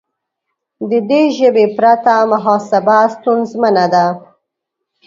د دې ژبې پرته محاسبه ستونزمنه ده.